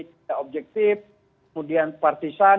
tidak objektif kemudian partisan